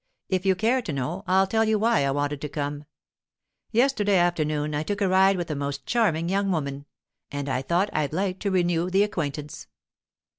If you care to know, I'll tell you why I wanted to come. Yesterday afternoon I took a ride with a most charming young woman, and I thought I'd like to renew the acquaintance.